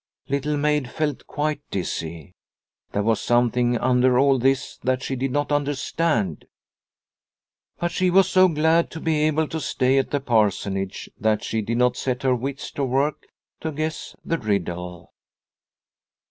Little Maid felt quite dizzy. There was something under all this that she did not under stand. But she was so glad to be able to stay at the Parsonage that she did not set her wits to work to guess the riddle.